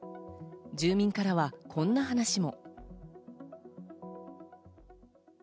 住民からは、こんな話も。